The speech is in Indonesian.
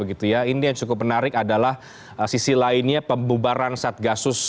ini yang cukup menarik adalah sisi lainnya pembubaran satgasus